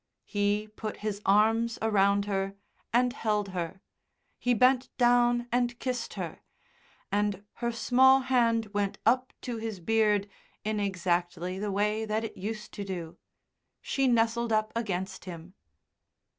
He put his arms around her and held her; he bent down and kissed her, and her small hand went up to his beard in exactly the way that it used to do. She nestled up against him.